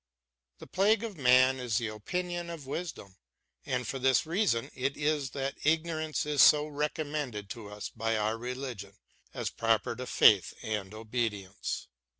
The plague of man is the opinion of wisdom j and for this reason it is that ignorance is so recommended to us by our religion, as proper to faith and obedience.